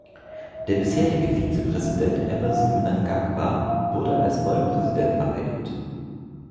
Der bisherige Vizepräsident Emmerson Mnangagwa wurde als neuer Präsident vereidigt.